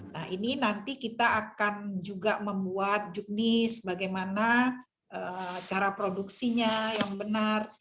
nah ini nanti kita akan juga membuat juknis bagaimana cara produksinya yang benar